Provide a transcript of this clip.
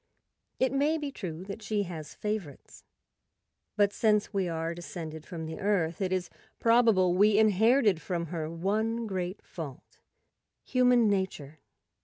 It may be true that she has favorites; but since we are descended from the Earth, it is probable we inherited from her one great fault—human nature.